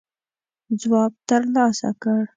ځواب تر لاسه کړ.